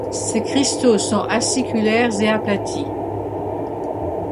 Ces cristaux sont aciculaires et aplatis.